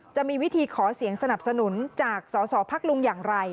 จะมีวิธีขอเสียงสนับสนุนจากสสพักลุงอย่างไร